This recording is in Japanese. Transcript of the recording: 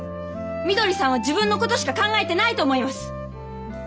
みどりさんは自分のことしか考えてないと思います！